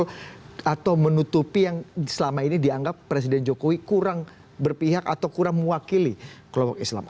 atau menutupi yang selama ini dianggap presiden jokowi kurang berpihak atau kurang mewakili kelompok islam